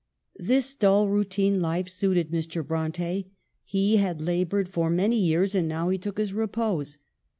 This dull routine life suited Mr. Bronte. He had labored for many years and now he took his repose.